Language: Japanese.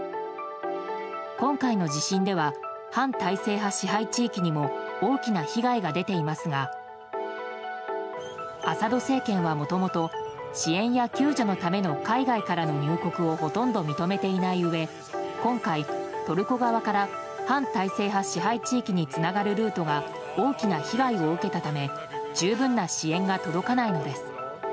今回の地震では反体制派支配地域にも大きな被害が出ていますがアサド政権は、もともと支援や救助のための海外からの入国をほとんど認めていないうえ今回、トルコ側から反体制派支配地域につながるルートが大きな被害を受けたため十分な支援が届かないのです。